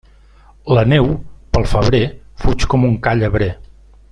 La neu, pel febrer, fuig com un ca llebrer.